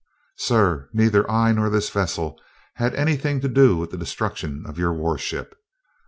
"Sir, neither I nor this vessel had anything to do with the destruction of your warship.